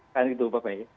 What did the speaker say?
kan gitu pak fai